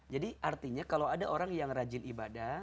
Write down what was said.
jadi artinya kalau ada orang yang rajin ibadah